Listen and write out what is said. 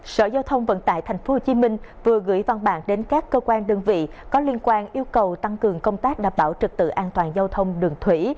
sở giao thông vận tải tp hcm vừa gửi văn bản đến các cơ quan đơn vị có liên quan yêu cầu tăng cường công tác đảm bảo trực tự an toàn giao thông đường thủy